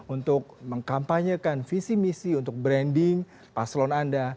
untuk mengkampanyekan visi misi untuk branding paslon anda